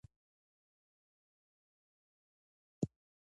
په بېلابېلو ادبي نثرونو کې هم پاملرنه شوې.